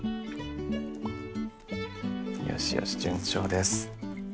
よしよし順調です。